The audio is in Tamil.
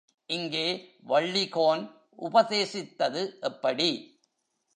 இங்கே, வள்ளிகோன் உபதேசித்தது எப்படி?